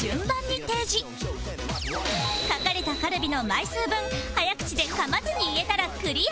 書かれたカルビの枚数分早口で噛まずに言えたらクリア